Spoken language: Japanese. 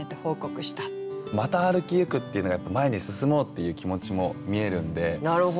「また歩きゆく」っていうのがやっぱ前に進もうっていう気持ちも見えるんで。